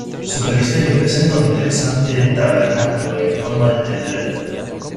Su presbiterio presenta un interesante tabernáculo en forma de templete.